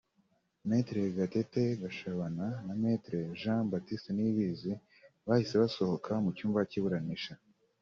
Me Gatera Gashabana na Me Jean Baptiste Niyibizi bahise basohoka mu cyumba cy’iburanisha